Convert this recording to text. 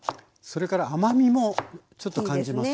それから甘みもちょっと感じますよね。